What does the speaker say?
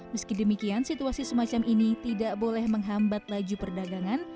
meski demikian situasi semacam ini tidak boleh menghambat laju perdagangan